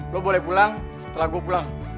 gue boleh pulang setelah gue pulang